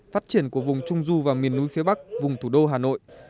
phát triển của vùng trung du và miền núi phía bắc vùng thủ đô hà nội